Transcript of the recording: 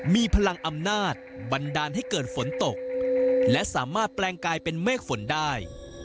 มีพลังอำนาจบันดาลให้เกิดฝนตกและสามารถแปลงกลายเป็นเมฆฝนได้